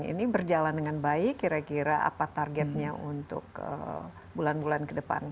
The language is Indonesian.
ini berjalan dengan baik kira kira apa targetnya untuk bulan bulan ke depan